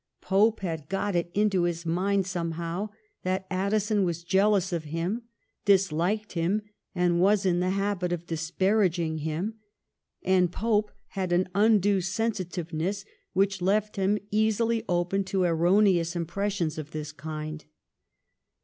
Pope had got it into his mind somehow that Addison was jealous of him, dis liked him, and was in the habit of disparaging him ; and Pope had an undue sensitiveness which left him easily open to erroneous impressions of this kind.